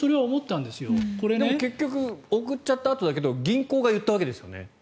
結局送っちゃったあとだけど銀行が言ったわけですよね。